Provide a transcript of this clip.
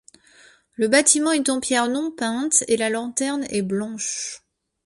Le bâtiment est en pierre non peinte et la lanterne est blanche.